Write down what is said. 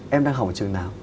em đang học trường nào